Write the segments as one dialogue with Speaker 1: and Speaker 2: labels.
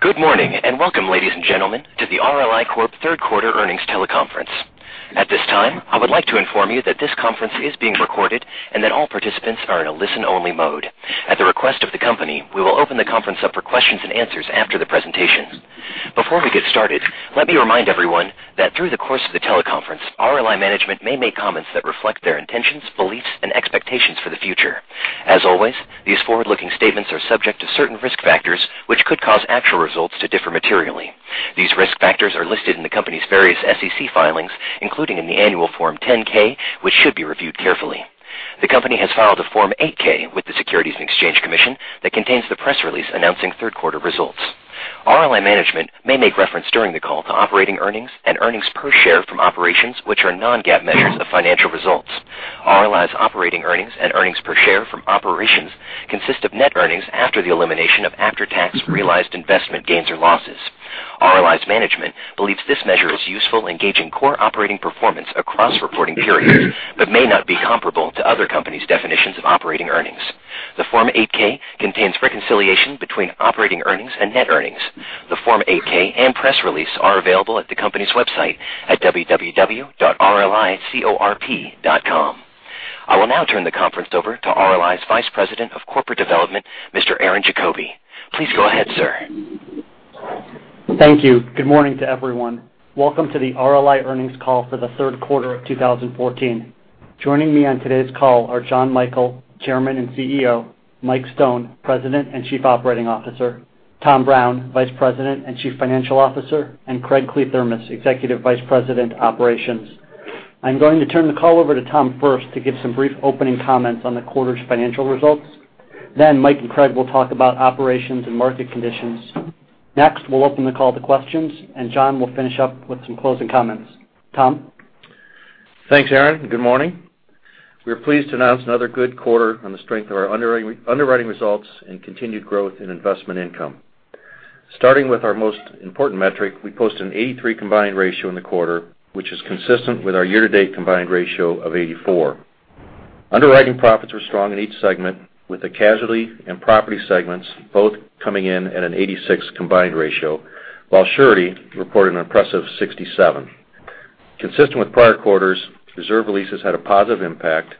Speaker 1: Good morning, and welcome, ladies and gentlemen, to the RLI Corp. Third Quarter Earnings Teleconference. At this time, I would like to inform you that this conference is being recorded and that all participants are in a listen-only mode. At the request of the company, we will open the conference up for questions and answers after the presentation. Before we get started, let me remind everyone that through the course of the teleconference, RLI management may make comments that reflect their intentions, beliefs, and expectations for the future. As always, these forward-looking statements are subject to certain risk factors, which could cause actual results to differ materially. These risk factors are listed in the company's various SEC filings, including in the annual Form 10-K, which should be reviewed carefully. The company has filed a Form 8-K with the Securities and Exchange Commission that contains the press release announcing third-quarter results. RLI management may make reference during the call to operating earnings and earnings per share from operations, which are non-GAAP measures of financial results. RLI's operating earnings and earnings per share from operations consist of net earnings after the elimination of after-tax realized investment gains or losses. RLI's management believes this measure is useful in gauging core operating performance across reporting periods but may not be comparable to other companies' definitions of operating earnings. The Form 8-K contains reconciliation between operating earnings and net earnings. The Form 8-K and press release are available at the company's website at www.rlicorp.com. I will now turn the conference over to RLI's Vice President of Corporate Development, Mr. Aaron Diefenthaler. Please go ahead, sir.
Speaker 2: Thank you. Good morning to everyone. Welcome to the RLI earnings call for the third quarter of 2014. Joining me on today's call are John Michael Chairman and CEO; Mike Stone, President and Chief Operating Officer; Tom Brown, Vice President and Chief Financial Officer; and Craig Kliethermes, Executive Vice President, Operations. I'm going to turn the call over to Tom first to give some brief opening comments on the quarter's financial results. Mike and Craig will talk about operations and market conditions. Next, we'll open the call to questions, and John will finish up with some closing comments. Tom?
Speaker 3: Thanks, Aaron, and good morning. We are pleased to announce another good quarter on the strength of our underwriting results and continued growth in investment income. Starting with our most important metric, we posted an 83 combined ratio in the quarter, which is consistent with our year-to-date combined ratio of 84. Underwriting profits were strong in each segment, with the casualty and property segments both coming in at an 86 combined ratio, while Surety reported an impressive 67. Consistent with prior quarters, reserve releases had a positive impact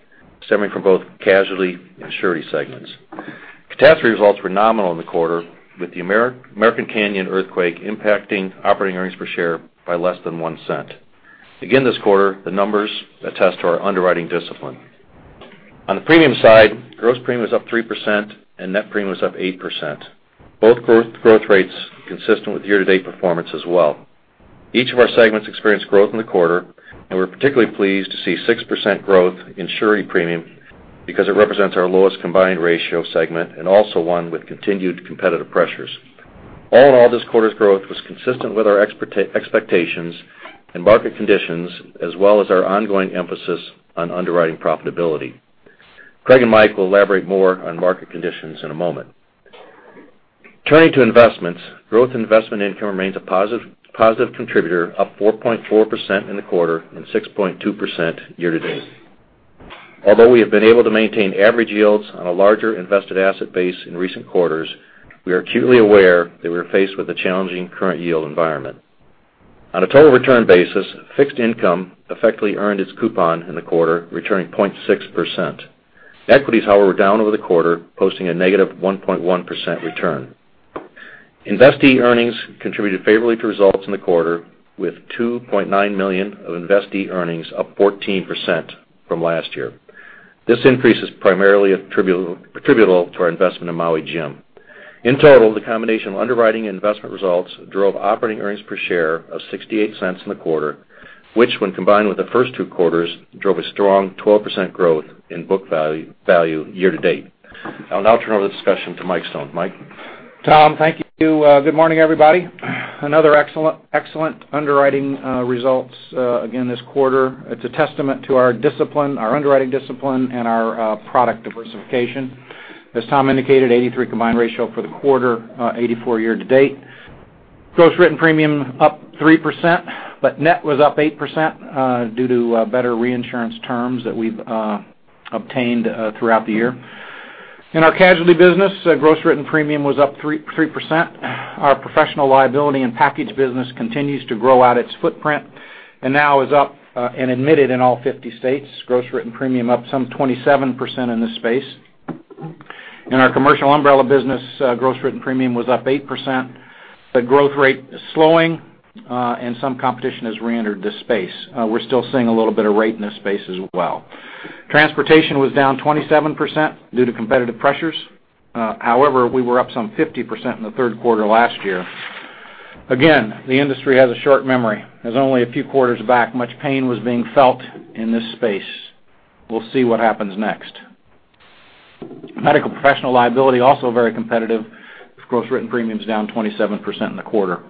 Speaker 3: stemming from both Casualty and Surety segments. Catastrophe results were nominal in the quarter, with the American Canyon earthquake impacting operating earnings per share by less than $0.01. Again, this quarter, the numbers attest to our underwriting discipline. On the premium side, gross premium was up 3%, and net premium was up 8%, both growth rates consistent with year-to-date performance as well. Each of our segments experienced growth in the quarter, and we're particularly pleased to see 6% growth in Surety premium because it represents our lowest combined ratio segment and also one with continued competitive pressures. All in all, this quarter's growth was consistent with our expectations and market conditions as well as our ongoing emphasis on underwriting profitability. Craig and Mike will elaborate more on market conditions in a moment. Turning to investments, growth in investment income remains a positive contributor, up 4.4% in the quarter and 6.2% year to date. Although we have been able to maintain average yields on a larger invested asset base in recent quarters, we are acutely aware that we are faced with a challenging current yield environment. On a total return basis, fixed income effectively earned its coupon in the quarter, returning 0.6%. Equities, however, were down over the quarter, posting a negative 1.1% return. Investee earnings contributed favorably to results in the quarter with $2.9 million of investee earnings, up 14% from last year. This increase is primarily attributable to our investment in Maui Jim. In total, the combination of underwriting and investment results drove operating earnings per share of $0.68 in the quarter, which when combined with the first two quarters, drove a strong 12% growth in book value year to date. I will now turn over the discussion to Mike Stone. Mike?
Speaker 4: Tom, thank you. Good morning, everybody. Another excellent underwriting results again this quarter. It's a testament to our discipline, our underwriting discipline, and our product diversification. As Tom indicated, 83 combined ratio for the quarter, 84 year to date. Gross written premium up 3%, but net was up 8% due to better reinsurance terms that we've obtained throughout the year. In our casualty business, gross written premium was up 3%. Our professional liability and package business continues to grow out its footprint and now is up and admitted in all 50 states. Gross written premium up some 27% in this space. In our commercial umbrella business, gross written premium was up 8%, the growth rate is slowing, and some competition has reentered this space. We're still seeing a little bit of rate in this space as well. Transportation was down 27% due to competitive pressures. We were up some 50% in the third quarter last year. Again, the industry has a short memory. Only a few quarters back, much pain was being felt in this space. We'll see what happens next. medical professional liability, also very competitive, with gross written premiums down 27% in the quarter.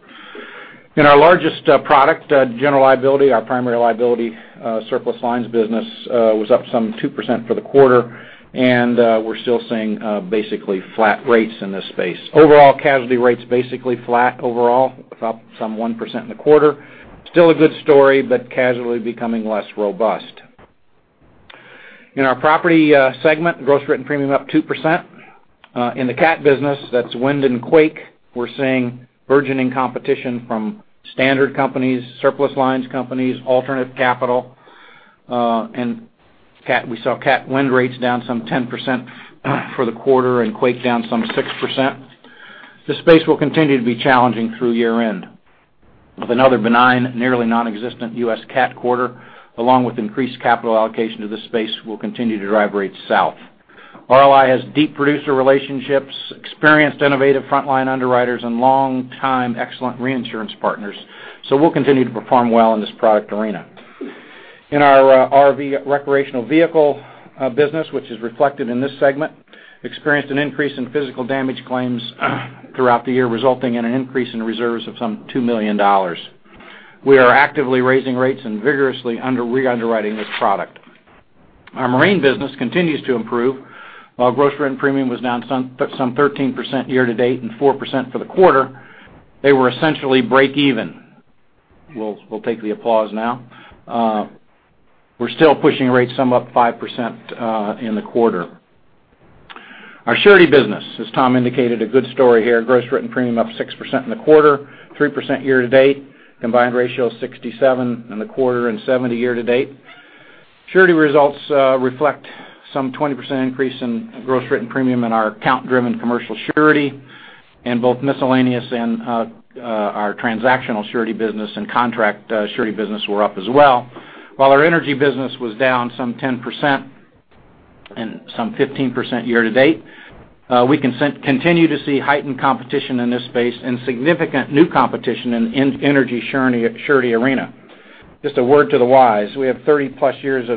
Speaker 4: In our largest product, general liability, our primary liability surplus lines business was up some 2% for the quarter, and we're still seeing basically flat rates in this space. Overall, casualty rates basically flat overall, up some 1% in the quarter. Still a good story, but casualty becoming less robust. In our property segment, gross written premium up 2%. In the catastrophe business, that's wind and quake. We're seeing burgeoning competition from standard companies, surplus lines companies, alternative capital, and we saw catastrophe wind rates down some 10% for the quarter and quake down some 6%. This space will continue to be challenging through year-end. With another benign, nearly non-existent U.S. catastrophe quarter, along with increased capital allocation to this space will continue to drive rates south. RLI has deep producer relationships, experienced innovative frontline underwriters, and long-time excellent reinsurance partners. We'll continue to perform well in this product arena. In our RV, recreational vehicle business, which is reflected in this segment, experienced an increase in physical damage claims throughout the year, resulting in an increase in reserves of some $2 million. We are actively raising rates and vigorously re-underwriting this product. Our marine business continues to improve. While gross written premium was down some 13% year-to-date and 4% for the quarter, they were essentially break even. We'll take the applause now. We're still pushing rates some up 5% in the quarter. Our surety business, as Tom indicated, a good story here. Gross written premium up 6% in the quarter, 3% year-to-date. combined ratio 67 in the quarter and 70 year-to-date. Surety results reflect some 20% increase in gross written premium in our account-driven commercial surety, and both miscellaneous and our transactional surety business and contract surety business were up as well. While our energy business was down some 10% and some 15% year-to-date, we continue to see heightened competition in this space and significant new competition in energy surety arena. Just a word to the wise, we have 30-plus years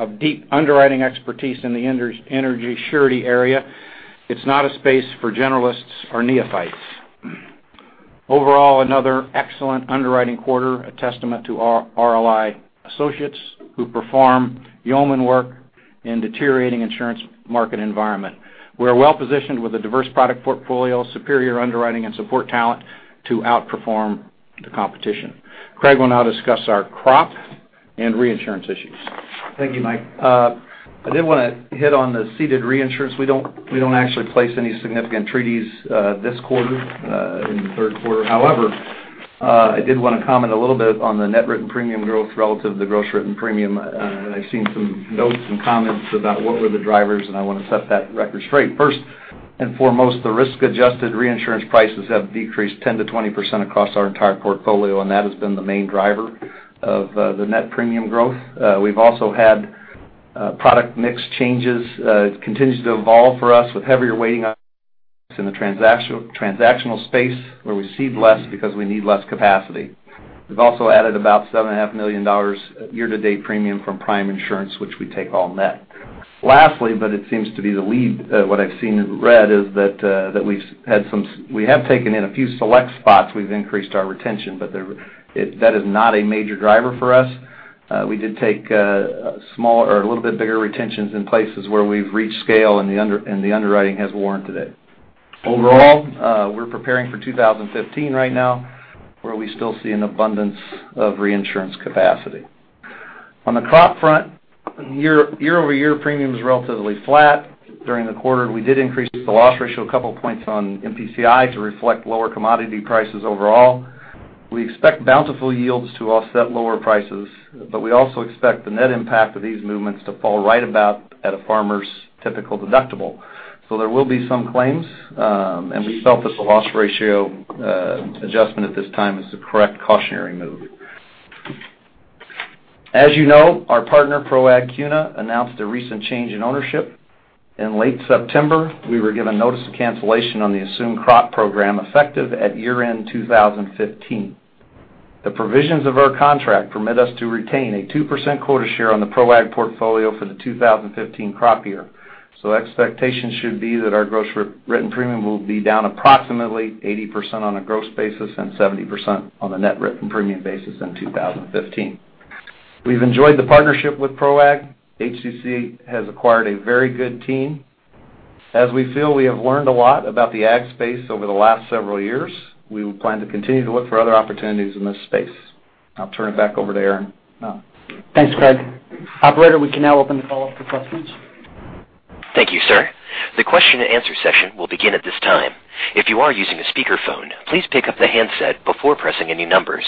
Speaker 4: of deep underwriting expertise in the energy surety area. It's not a space for generalists or neophytes. Overall, another excellent underwriting quarter, a testament to our RLI associates who perform yeoman work in deteriorating insurance market environment. We're well-positioned with a diverse product portfolio, superior underwriting, and support talent to outperform the competition. Craig will now discuss our crop and reinsurance issues.
Speaker 5: Thank you, Mike. I did want to hit on the ceded reinsurance. We don't actually place any significant treaties this quarter, in the third quarter. However, I did want to comment a little bit on the net written premium growth relative to the gross written premium. I've seen some notes and comments about what were the drivers, and I want to set that record straight. First and foremost, the risk-adjusted reinsurance prices have decreased 10%-20% across our entire portfolio, and that has been the main driver of the net premium growth. We've also had product mix changes. It continues to evolve for us with heavier weighting in the transactional space where we cede less because we need less capacity. We've also added about $7.5 million year-to-date premium from Prime Insurance, which we take all net. Lastly, but it seems to be the lead, what I've seen and read is that we have taken in a few select spots, we've increased our retention, but that is not a major driver for us. We did take a little bit bigger retentions in places where we've reached scale, and the underwriting has warranted it. Overall, we're preparing for 2015 right now, where we still see an abundance of reinsurance capacity. On the crop front, year-over-year premium is relatively flat during the quarter. We did increase the loss ratio a couple points on MPCI to reflect lower commodity prices overall. We expect bountiful yields to offset lower prices, but we also expect the net impact of these movements to fall right about at a farmer's typical deductible. There will be some claims, and we felt that the loss ratio adjustment at this time is the correct cautionary move. As you know, our partner ProAg Acuna announced a recent change in ownership. In late September, we were given notice of cancellation on the assumed crop program effective at year-end 2015. The provisions of our contract permit us to retain a 2% quota share on the ProAg portfolio for the 2015 crop year. Expectations should be that our gross written premium will be down approximately 80% on a gross basis and 70% on a net written premium basis in 2015. We've enjoyed the partnership with ProAg. HCC has acquired a very good team. As we feel we have learned a lot about the ag space over the last several years, we plan to continue to look for other opportunities in this space. I'll turn it back over to Aaron.
Speaker 2: Thanks, Craig. Operator, we can now open the call up for questions.
Speaker 1: Thank you, sir. The question and answer session will begin at this time. If you are using a speakerphone, please pick up the handset before pressing any numbers.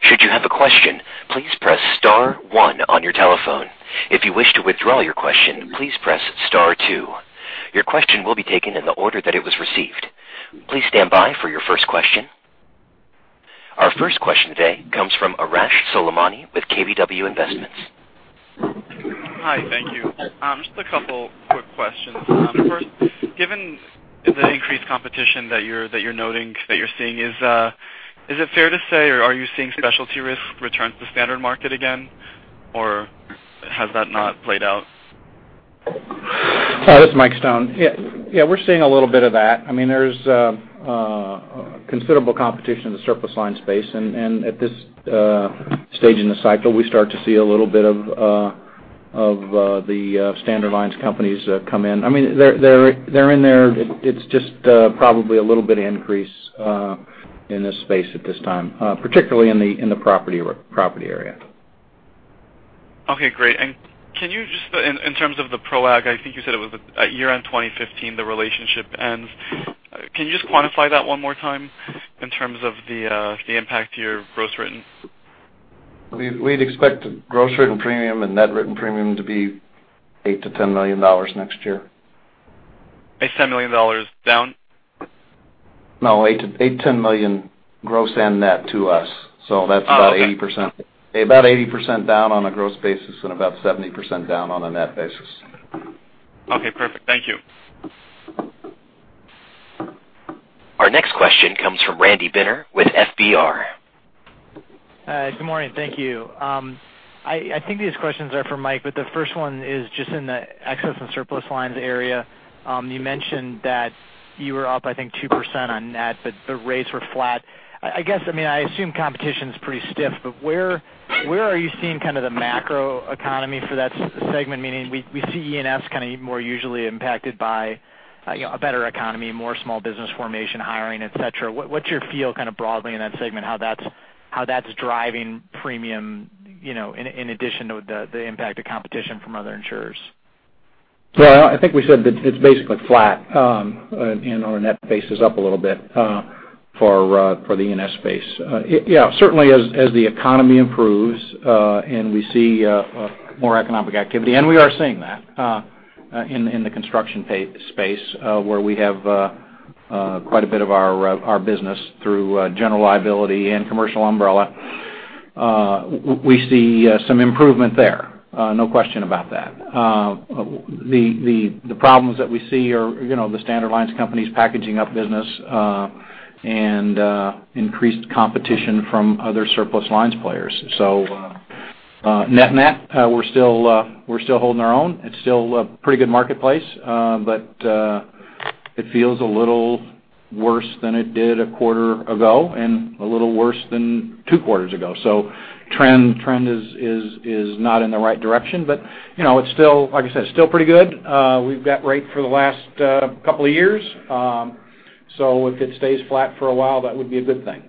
Speaker 1: Should you have a question, please press star one on your telephone. If you wish to withdraw your question, please press star two. Your question will be taken in the order that it was received. Please stand by for your first question. Our first question today comes from Arash Soleimani with KBW Investments.
Speaker 6: Hi, thank you. Just a couple quick questions. First, given the increased competition that you're noting, that you're seeing, is it fair to say, or are you seeing specialty risk return to standard market again, or has that not played out?
Speaker 4: This is Mike Stone. Yeah, we're seeing a little bit of that. There's considerable competition in the surplus line space, and at this stage in the cycle, we start to see a little bit of the standard lines companies come in. They're in there. It's just probably a little bit increase in this space at this time, particularly in the property area.
Speaker 6: Okay, great. Can you just, in terms of the ProAg, I think you said it was at year-end 2015, the relationship ends. Can you just quantify that one more time in terms of the impact to your gross written?
Speaker 5: We'd expect the gross written premium and net written premium to be $8 million-$10 million next year.
Speaker 6: $8 million-$10 million down?
Speaker 5: No, $8 million-$10 million gross and net to us.
Speaker 6: Oh, okay.
Speaker 5: That's about 80% down on a gross basis and about 70% down on a net basis.
Speaker 6: Okay, perfect. Thank you.
Speaker 1: Our next question comes from Randy Binner with FBR.
Speaker 7: Hi. Good morning. Thank you. I think these questions are for Mike, but the first one is just in the excess & surplus lines area. You mentioned that you were up, I think, 2% on net, but the rates were flat. I assume competition's pretty stiff, but where are you seeing the macro economy for that segment? Meaning, we see E&S more usually impacted by a better economy, more small business formation, hiring, et cetera. What's your feel broadly in that segment, how that's driving premium, in addition to the impact of competition from other insurers?
Speaker 4: I think we said that it's basically flat, and our net base is up a little bit for the E&S space. Certainly as the economy improves and we see more economic activity, and we are seeing that in the construction space, where we have quite a bit of our business through general liability and commercial umbrella. We see some improvement there, no question about that. The problems that we see are the standard lines companies packaging up business, and increased competition from other surplus lines players. Net-net, we're still holding our own. It's still a pretty good marketplace. It feels a little worse than it did a quarter ago and a little worse than two quarters ago. Trend is not in the right direction. It's still, like I said, still pretty good. We've got rate for the last couple of years. If it stays flat for a while, that would be a good thing.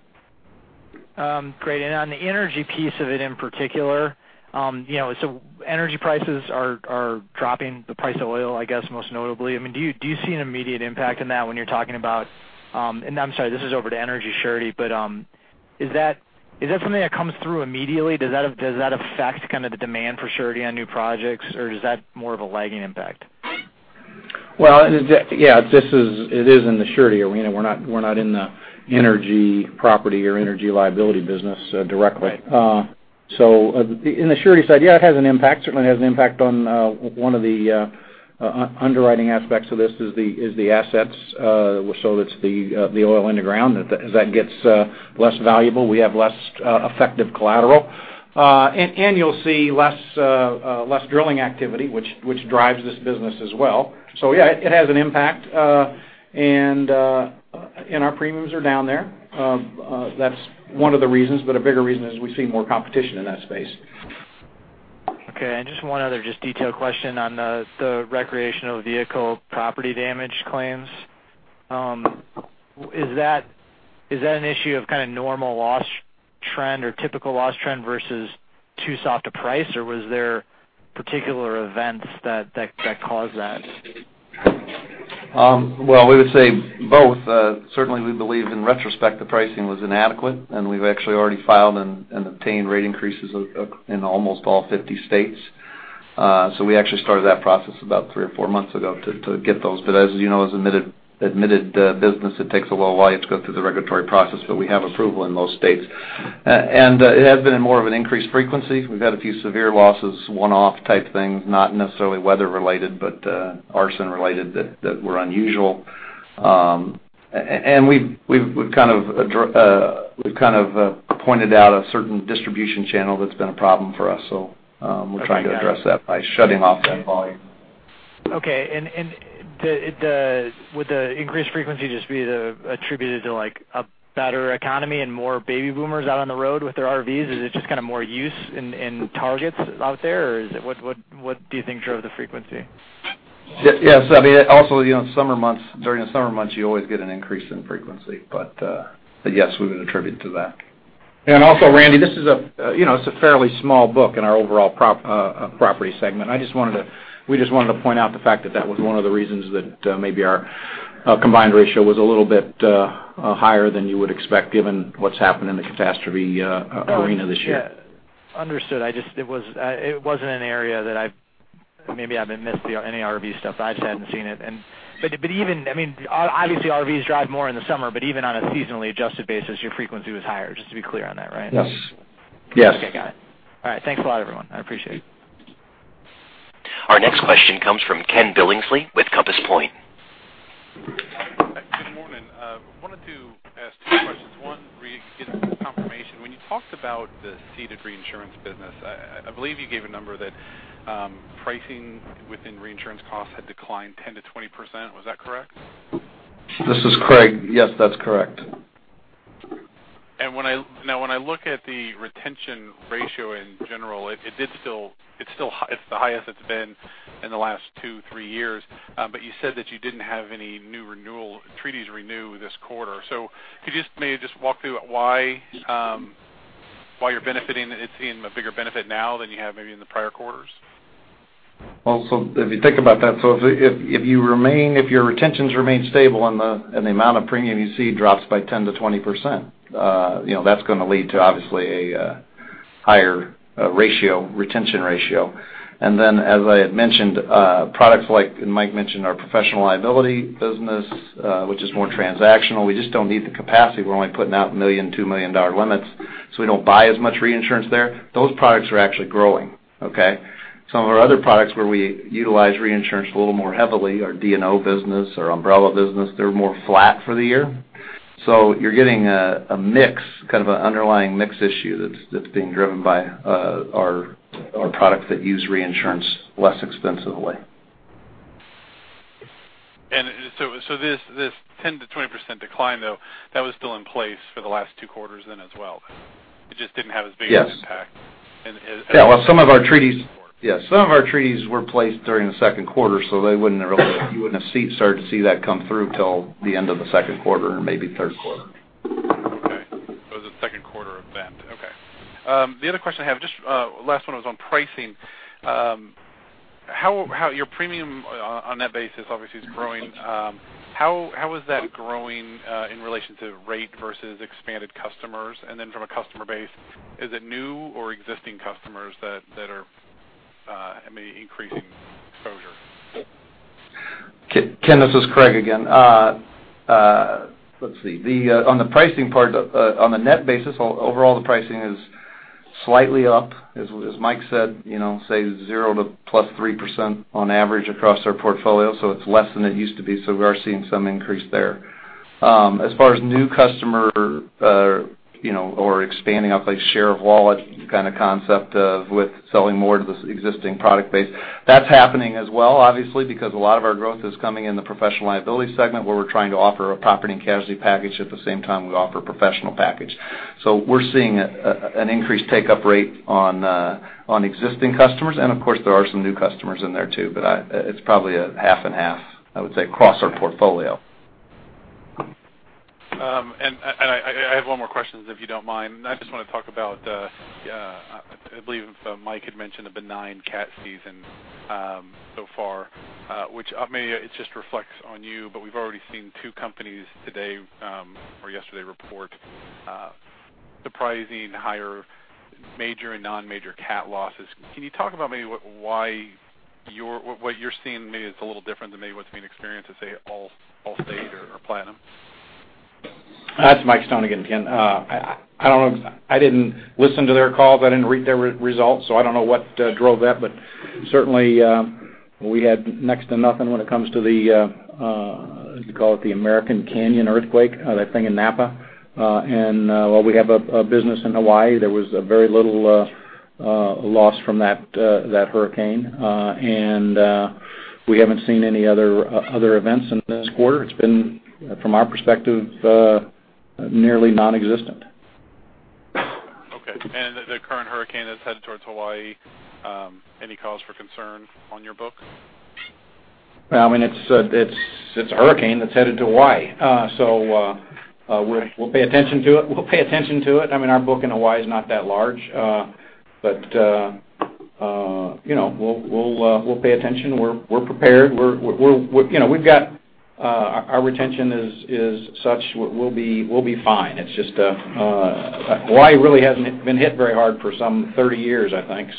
Speaker 7: Great. On the energy piece of it, in particular, energy prices are dropping, the price of oil, I guess, most notably. Do you see an immediate impact in that when you're talking about, and I'm sorry, this is over to energy surety, but is that something that comes through immediately? Does that affect the kind of the demand for surety on new projects, or is that more of a lagging impact?
Speaker 4: Well, yeah, it is in the surety arena. We're not in the energy property or energy liability business directly.
Speaker 7: Right.
Speaker 4: In the surety side, yeah, it has an impact. Certainly, it has an impact on one of the underwriting aspects of this is the assets. It's the oil in the ground. As that gets less valuable, we have less effective collateral. You'll see less drilling activity, which drives this business as well. Yeah, it has an impact. Our premiums are down there. That's one of the reasons, but a bigger reason is we see more competition in that space.
Speaker 7: Okay. Just one other just detailed question on the recreational vehicle property damage claims. Is that an issue of kind of normal loss trend or typical loss trend versus too soft a price, or was there particular events that caused that?
Speaker 5: Well, we would say both. Certainly, we believe in retrospect the pricing was inadequate, and we've actually already filed and obtained rate increases in almost all 50 states. We actually started that process about three or four months ago to get those. As you know, as admitted business, it takes a little while to go through the regulatory process, but we have approval in those states. It has been more of an increased frequency. We've had a few severe losses, one-off type things, not necessarily weather related, but arson related that were unusual. We've kind of pointed out a certain distribution channel that's been a problem for us. We're trying to address that by shutting off that volume.
Speaker 7: Okay. Would the increased frequency just be attributed to a better economy and more baby boomers out on the road with their RVs? Is it just kind of more use and targets out there, or what do you think drove the frequency?
Speaker 5: Yes. Also during the summer months, you always get an increase in frequency. Yes, we would attribute it to that.
Speaker 4: Also, Randy, it's a fairly small book in our overall property segment. We just wanted to point out the fact that that was one of the reasons that maybe our combined ratio was a little bit higher than you would expect given what's happened in the catastrophe arena this year.
Speaker 7: Oh, yeah. Understood. It wasn't an area that maybe I missed any RV stuff, but I just hadn't seen it. Even, obviously RVs drive more in the summer, but even on a seasonally adjusted basis, your frequency was higher, just to be clear on that, right?
Speaker 4: Yes.
Speaker 7: Okay, got it. All right. Thanks a lot, everyone. I appreciate it.
Speaker 1: Our next question comes from Ken Billingsley with Compass Point.
Speaker 8: Good morning. I wanted to ask two questions. One, get a confirmation. When you talked about the ceded reinsurance business, I believe you gave a number that pricing within reinsurance costs had declined 10%-20%, was that correct?
Speaker 5: This is Craig. Yes, that's correct.
Speaker 8: Now when I look at the retention ratio in general, it's the highest it's been in the last two, three years. You said that you didn't have any new treaties renew this quarter. Could you maybe just walk through why you're seeing a bigger benefit now than you have maybe in the prior quarters?
Speaker 5: Well, if you think about that, if your retentions remain stable and the amount of premium you see drops by 10%-20%, that's going to lead to obviously a higher retention ratio. Then, as I had mentioned, products like Mike mentioned, our professional liability business, which is more transactional, we just don't need the capacity. We're only putting out million, $2 million dollar limits, so we don't buy as much reinsurance there. Those products are actually growing, okay? Some of our other products where we utilize reinsurance a little more heavily, our D&O business, our umbrella business, they're more flat for the year. You're getting a mix, kind of an underlying mix issue that's being driven by our products that use reinsurance less expensively.
Speaker 8: This 10%-20% decline, though, that was still in place for the last two quarters then as well. It just didn't have as big of an impact.
Speaker 5: Yes. Some of our treaties were placed during the second quarter, you wouldn't have started to see that come through till the end of the second quarter or maybe third quarter.
Speaker 8: Okay. It was the second quarter event. Okay. The other question I have, just last one, was on pricing. Your premium on net basis obviously is growing. How is that growing in relation to rate versus expanded customers? From a customer base, is it new or existing customers that are maybe increasing exposure?
Speaker 5: Ken, this is Craig again. Let's see. On the pricing part, on a net basis, overall the pricing is slightly up. As Mike said, say zero to +3% on average across our portfolio, it's less than it used to be, we are seeing some increase there. As far as new customer or expanding up share of wallet kind of concept of with selling more to the existing product base, that's happening as well, obviously, because a lot of our growth is coming in the professional liability segment where we're trying to offer a property and casualty package at the same time we offer a professional package. We're seeing an increased take-up rate on existing customers, and of course there are some new customers in there too, but it's probably a half and half, I would say, across our portfolio.
Speaker 8: I have one more question, if you don't mind. I just want to talk about, I believe Mike had mentioned the benign cat season so far, which maybe it just reflects on you, but we've already seen two companies today or yesterday report surprising higher major and non-major cat losses. Can you talk about maybe what you're seeing maybe is a little different than maybe what's been experienced at, say, Allstate or Platinum?
Speaker 4: That's Mike Stone again, Ken. I didn't listen to their calls. I didn't read their results, so I don't know what drove that. Certainly, we had next to nothing when it comes to the, call it the American Canyon earthquake, that thing in Napa. While we have a business in Hawaii, there was very little loss from that hurricane. We haven't seen any other events in this quarter. It's been, from our perspective, nearly non-existent.
Speaker 8: Okay. The current hurricane that's headed towards Hawaii, any cause for concern on your book?
Speaker 4: It's a hurricane that's headed to Hawaii, so we'll pay attention to it. Our book in Hawaii is not that large. We'll pay attention. We're prepared. Our retention is such, we'll be fine. Hawaii really hasn't been hit very hard for some 30 years, I think.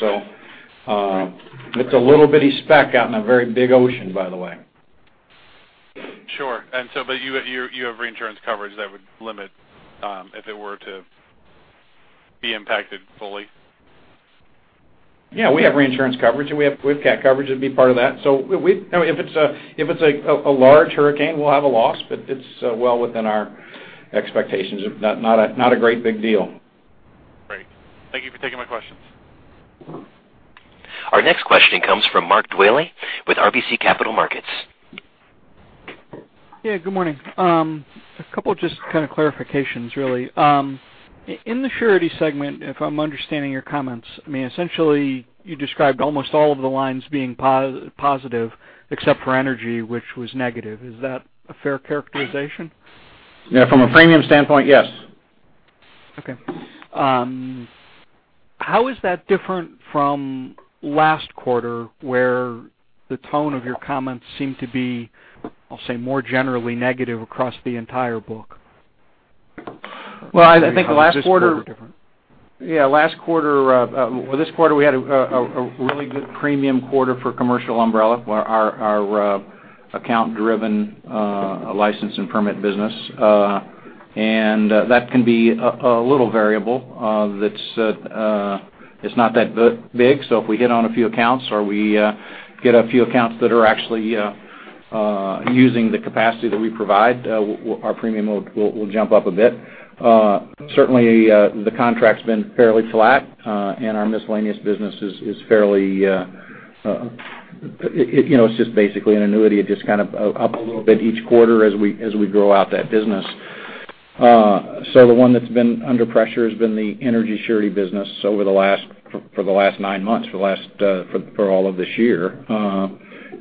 Speaker 4: It's a little bitty speck out in a very big ocean, by the way.
Speaker 8: Sure. You have reinsurance coverage that would limit if it were to be impacted fully?
Speaker 4: Yeah. We have reinsurance coverage, and we have catastrophe coverage that'd be part of that. If it's a large hurricane, we'll have a loss, but it's well within our expectations. Not a great big deal.
Speaker 8: Great. Thank you for taking my questions.
Speaker 1: Our next question comes from Mark Dwelle with RBC Capital Markets.
Speaker 9: Yeah, good morning. A couple just kind of clarifications, really. In the surety segment, if I'm understanding your comments, essentially you described almost all of the lines being positive except for energy, which was negative. Is that a fair characterization?
Speaker 5: Yeah. From a premium standpoint, yes.
Speaker 9: Okay. How is that different from last quarter, where the tone of your comments seemed to be, I'll say, more generally negative across the entire book?
Speaker 5: Well, I think the last quarter-
Speaker 4: How is this quarter different? Well, this quarter we had a really good premium quarter for commercial umbrella for our account driven license and permit business. That can be a little variable. It's not that big, so if we get on a few accounts or we get a few accounts that are actually using the capacity that we provide, our premium will jump up a bit. Certainly, the contract's been fairly flat, our miscellaneous business is fairly It's just basically an annuity. It just kind of up a little bit each quarter as we grow out that business. The one that's been under pressure has been the energy surety business for the last nine months, for all of this year.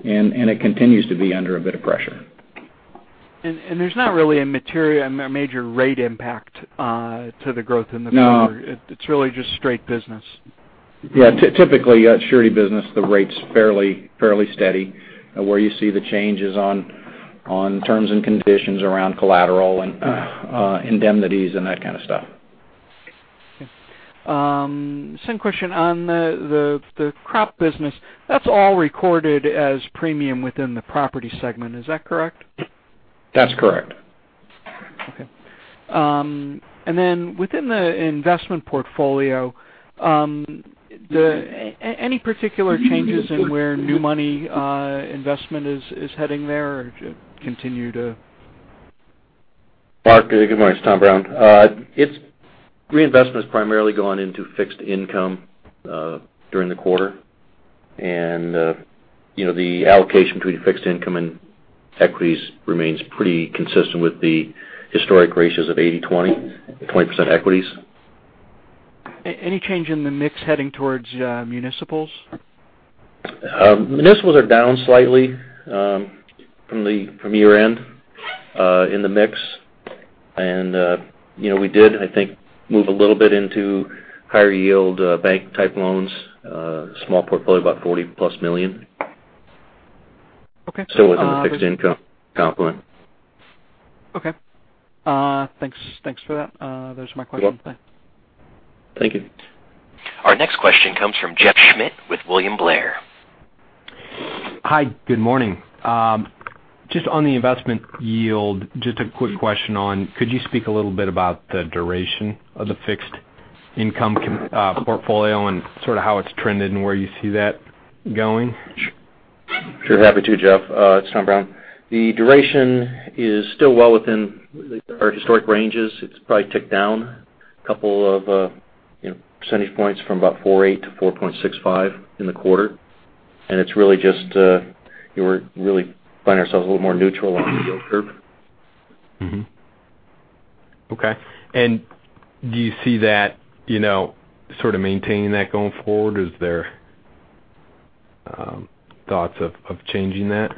Speaker 4: It continues to be under a bit of pressure.
Speaker 9: There's not really a major rate impact to the growth in the quarter.
Speaker 4: No It's really just straight business. Yeah. Typically, surety business, the rate's fairly steady. Where you see the change is on terms and conditions around collateral and indemnities and that kind of stuff.
Speaker 9: Okay. Same question. On the crop business, that's all recorded as premium within the Property Segment. Is that correct?
Speaker 4: That's correct.
Speaker 9: Okay. Then within the investment portfolio, any particular changes in where new money investment is heading there? Or do you continue to?
Speaker 3: Mark, good morning. It's Tom Brown. Reinvestment's primarily gone into fixed income during the quarter. The allocation between fixed income and equities remains pretty consistent with the historic ratios of 80/20. 20% equities.
Speaker 9: Any change in the mix heading towards municipals?
Speaker 3: Municipals are down slightly from year-end in the mix. We did, I think, move a little bit into higher yield bank type loans. Small portfolio, about $40-plus million.
Speaker 9: Okay.
Speaker 3: Within the fixed income complement.
Speaker 9: Okay. Thanks for that. Those are my questions then.
Speaker 3: You're welcome. Thank you.
Speaker 1: Our next question comes from Jeff Schmitt with William Blair.
Speaker 10: Hi, good morning. Just on the investment yield, just a quick question on, could you speak a little bit about the duration of the fixed income portfolio and sort of how it's trended and where you see that going?
Speaker 3: Sure. Happy to, Jeff. It's Tom Brown. The duration is still well within our historic ranges. It's probably ticked down a couple of percentage points from about 4.8 to 4.65 in the quarter. We really find ourselves a little more neutral on the yield curve.
Speaker 10: Okay. Do you see that sort of maintaining that going forward? Is there thoughts of changing that?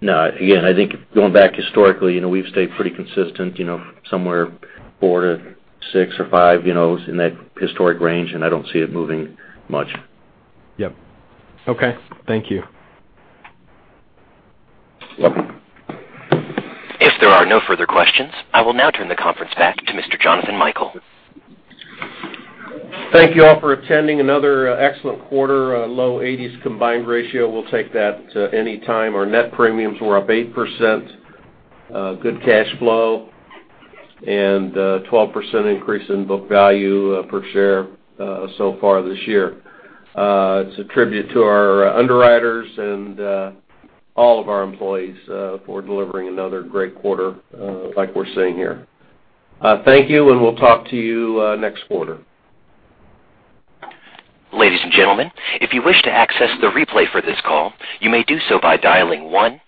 Speaker 3: No. Again, I think going back historically, we've stayed pretty consistent, somewhere four to six or five, in that historic range, I don't see it moving much.
Speaker 10: Yep. Okay. Thank you.
Speaker 1: If there are no further questions, I will now turn the conference back to Mr. Jonathan Michael.
Speaker 11: Thank you all for attending another excellent quarter, low 80s combined ratio. We'll take that any time. Our net premiums were up 8%, good cash flow, and 12% increase in book value per share so far this year. It's a tribute to our underwriters and all of our employees for delivering another great quarter like we're seeing here. Thank you, and we'll talk to you next quarter.
Speaker 1: Ladies and gentlemen, if you wish to access the replay for this call, you may do so by dialing 1-866